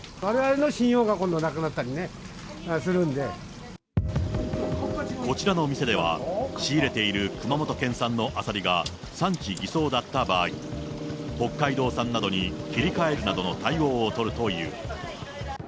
われわれの信用が今度、なくなっこちらの店では、仕入れている熊本県産のアサリが産地偽装だった場合、北海道産などに切り替えるなどの対応を取るという。